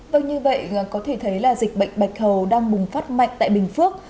vâng như vậy có thể thấy là dịch bệnh bạch hầu đang bùng phát mạnh tại bình phước